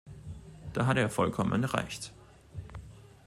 Da hat er vollkommen recht.